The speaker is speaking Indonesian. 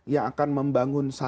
yang akan membangun sebuah